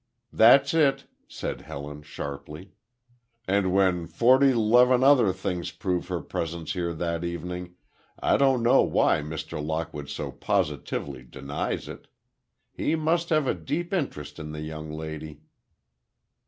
"That's it," said Helen, sharply. "And when forty leven other things prove her presence here that evening, I don't know why Mr. Lockwood so positively denies it. He must have a deep interest in the young lady!"